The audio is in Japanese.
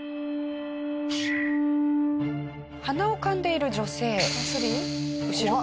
はなをかんでいる女性。